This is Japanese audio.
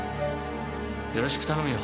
よろしく頼むよ。